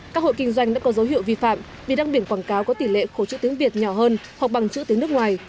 các hội kinh doanh đã có dấu hiệu vi phạm vì đăng biển quảng cáo có tỷ lệ khổ chữ tiếng việt nhỏ hơn hoặc bằng chữ tiếng nước ngoài